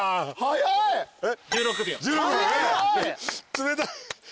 冷たい。